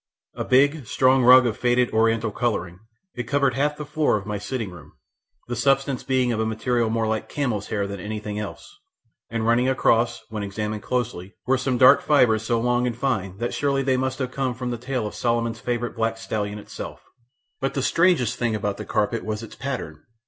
A big, strong rug of faded Oriental colouring, it covered half the floor of my sitting room, the substance being of a material more like camel's hair than anything else, and running across, when examined closely, were some dark fibres so long and fine that surely they must have come from the tail of Solomon's favourite black stallion itself. But the strangest thing about that carpet was its pattern.